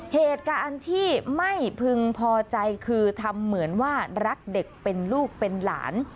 เหตุการณ์ที่ไม่พึงพอใจคือทำเหมือนว่ารักเด็กเป็นลูกเป็นหลาน